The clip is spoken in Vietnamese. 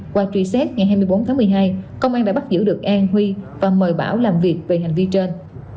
qua truy xét ngày hai mươi bốn tháng một mươi hai công an đã bắt giữ được an huy và mời bảo làm việc về hành vi trên